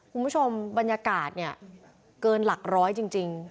คุณผู้ชมบรรยากาศเนี่ยเกินหลักร้อยจริง